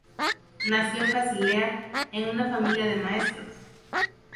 Nació en Basilea, en una familia de maestros.